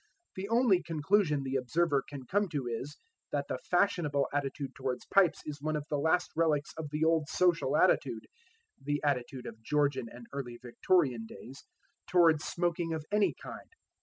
The only conclusion the observer can come to is, that the fashionable attitude towards pipes is one of the last relics of the old social attitude the attitude of Georgian and Early Victorian days towards smoking of any kind.